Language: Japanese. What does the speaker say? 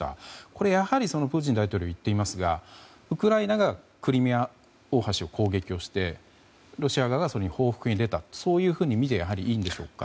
これはやはりプーチン大統領が言っていますがウクライナがクリミア大橋を攻撃してロシア側がその報復に出たとみていいんでしょうか。